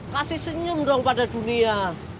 kasih senyum dong pada dunia